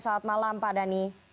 selamat malam pak dhani